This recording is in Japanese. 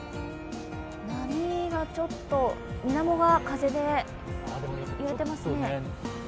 波がみなもが風で揺れてますね。